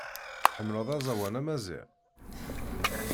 Tḥemmleḍ aẓawan amaziɣ?